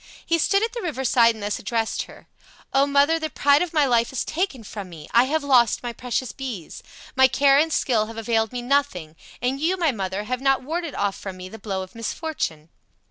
He stood at the river side and thus addressed her: "O mother, the pride of my life is taken from me! I have lost my precious bees. My care and skill have availed me nothing, and you my mother have not warded off from me the blow of misfortune."